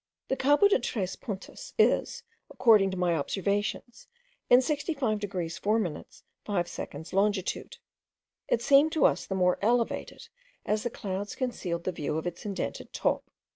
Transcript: The Cabo de tres Puntas is, according to my observations, in 65 degrees 4 minutes 5 seconds longitude. It seemed to us the more elevated, as the clouds concealed the view of its indented top.